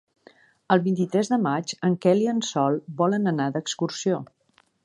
El vint-i-tres de maig en Quel i en Sol volen anar d'excursió.